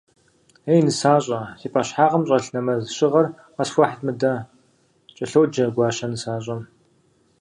Ей нысащӏэ, си пӏэщхьагъым щӏэлъ нэмэз щыгъэр къысхуэхьыт мыдэ, — кӏэлъоджэ Гуащэ нысащӏэм.